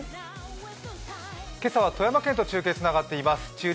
今朝は富山県と中継がつながっています。